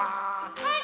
はい！